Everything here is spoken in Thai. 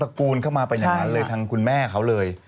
กูลเข้ามาเป็นอย่างนั้นเลยทางคุณแม่เขาเลย